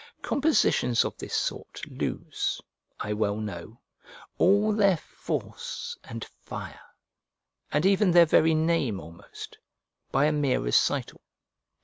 Compositions of this sort lose, I well know, all their force and fire, and even their very name almost, by a mere recital.